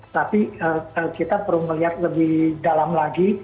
tapi kita perlu melihat lebih dalam lagi